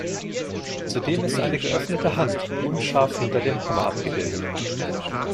Zudem ist eine geöffnete Hand unscharf hinter dem Hammer abgebildet.